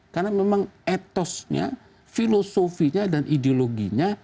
karena memang ethosnya filosofinya dan ideologinya